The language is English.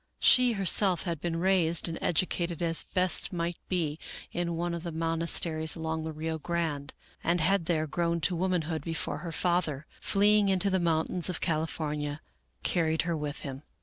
She herself had been raised and educated as best might be in one of the monasteries along the Rio Grande, and had there grown to womanhood before her father, fleeing into the mountains of California, carried her with him.